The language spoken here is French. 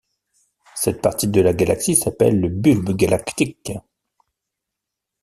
Cette partie de la galaxie s'appelle le bulbe galactique.